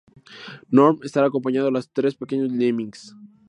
Norm estará acompañado de tres pequeños lemmings.